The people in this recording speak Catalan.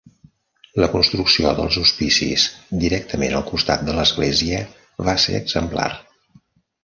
La construcció dels hospicis directament al costat de l'església va ser exemplar.